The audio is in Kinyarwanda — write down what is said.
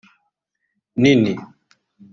nini